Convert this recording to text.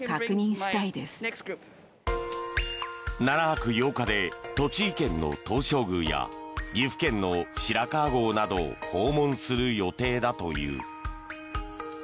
７泊８日で栃木県の東照宮や岐阜県の白川郷などを訪問する予定だという。